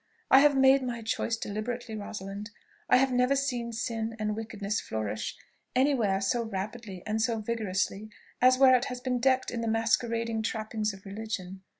I have made my choice deliberately, Rosalind. I have never seen sin and wickedness flourish any where so rapidly and so vigorously as where it has been decked in the masquerading trappings of religion.